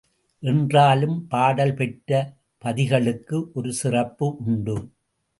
என்றாலும் பாடல் பெற்ற பதிகளுக்கு ஒரு சிறப்பு உண்டு.